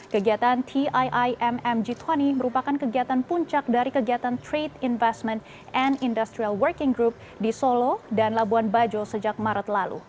kegiatan tiimm g dua puluh merupakan kegiatan puncak dari kegiatan trade investment and industrial working group di solo dan labuan bajo sejak maret lalu